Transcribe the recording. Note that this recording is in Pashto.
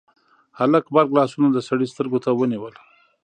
هلک غبرګ لاسونه د سړي سترګو ته ونيول: